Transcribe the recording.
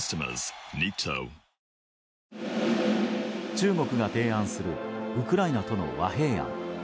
中国が提案するウクライナとの和平案。